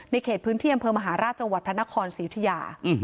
ในเขตพื้นเที่ยงเภอมหาราชจังหวัดพระนครศิริยา